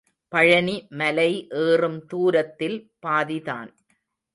பழனி மலை ஏறும் தூரத்தில் பாதிதான்.